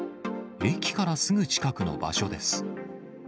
駅からすぐ近くの場所です。